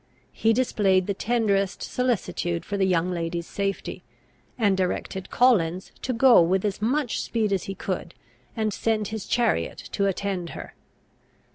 He displayed the tenderest solicitude for the young lady's safety, and directed Collins to go with as much speed as he could, and send his chariot to attend her.